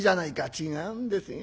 「違うんですよ。